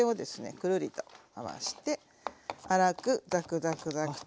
くるりと回して粗くザクザクザクと。